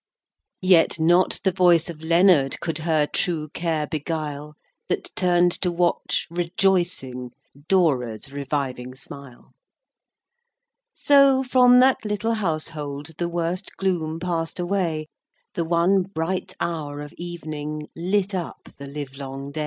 VII. Yet not the voice of Leonard Could her true care beguile, That turn'd to watch, rejoicing, Dora's reviving smile. So, from that little household The worst gloom pass'd away, The one bright hour of evening Lit up the livelong day.